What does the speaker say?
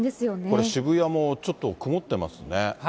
これ、渋谷も、ちょっと曇ってますね。